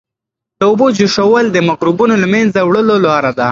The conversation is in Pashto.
د اوبو جوشول د مکروبونو د له منځه وړلو لاره ده.